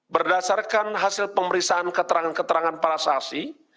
berdasarkan hasil pemerisaan keterangan keterangan para sasi